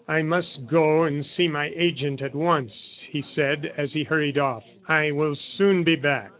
"I must go and see my agent at once," he said, as he hurried off. "I will soon be back."